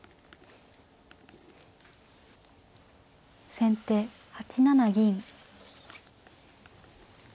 先手８七銀。